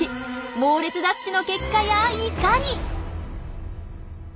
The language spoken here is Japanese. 猛烈ダッシュの結果やいかに！